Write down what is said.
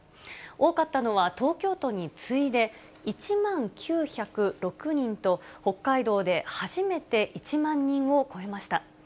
多かったのは東京都に次いで、１万９０６人と、北海道で初めて１万人を超えました。